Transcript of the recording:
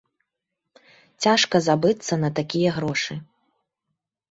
Цяжка забыцца на такія грошы.